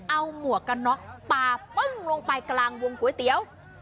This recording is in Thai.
เอาหมวกกันน็อกปลาปึ้งลงไปกลางวงก๋วยเตี๋ยว